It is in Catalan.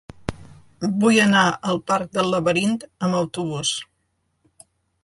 Vull anar al parc del Laberint amb autobús.